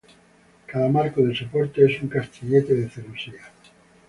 Cada marco de soporte es un castillete de celosía.